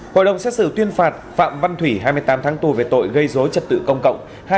hội đồng xét xử tuyên phạt phạm văn thủy hai mươi tám tháng tù về tội gây dối trật tự công cộng